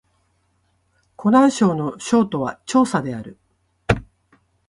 湖南省の省都は長沙である